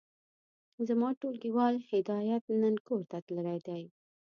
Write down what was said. زما ټولګيوال هدايت نن کورته تللی دی.